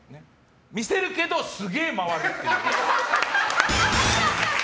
見せるけど、すげえ回るっていう。